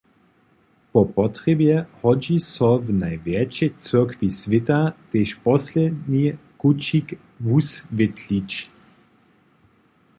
Po potrjebje hodźi so w najwjetšej cyrkwi swěta tež posledni kućik wuswětlić.